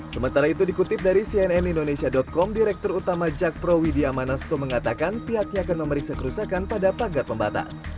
sementara itu dikutip dari cnn indonesia com direktur utama jakpro widya manasto mengatakan pihaknya akan memeriksa kerusakan pada pagar pembatas